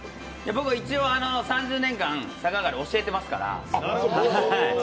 僕は一応３０年間逆上がり教えてますから。